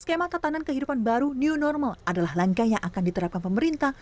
skema tatanan kehidupan baru new normal adalah langkah yang akan diterapkan pemerintah